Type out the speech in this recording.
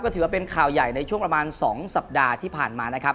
ถือว่าเป็นข่าวใหญ่ในช่วงประมาณ๒สัปดาห์ที่ผ่านมานะครับ